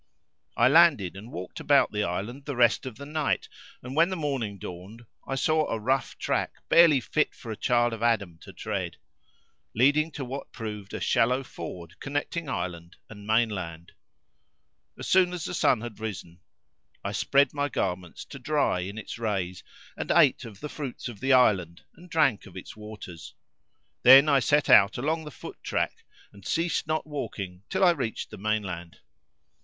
I landed and walked about the island the rest of the night and, when morning dawned, I saw a rough track barely fit for child of Adam to tread, leading to what proved a shallow ford connecting island and mainland. As soon as the sun had risen I spread my garments to dry in its rays; and ate of the fruits of the island and drank of its waters; then I set out along the foot track and ceased not walking till I reached the mainland.